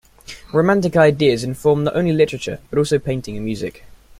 Romantic ideas informed not only literature but also painting and music.